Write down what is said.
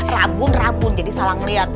rabun rabun jadi salah ngeliat